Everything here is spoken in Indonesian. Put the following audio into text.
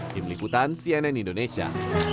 di meliputan cnn indonesia